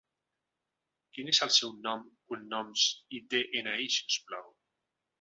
Quin és el seu nom, cognoms i de-ena-i, si us plau?